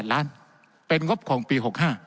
ล้านเป็นงบของปี๖๕